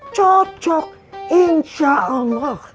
cocok insya allah